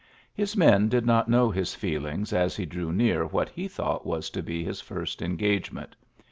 His men did not know his feelings as he drew near what he thought was to be his first engagement.